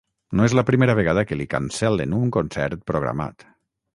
No és la primera vegada que li cancel·len un concert programat.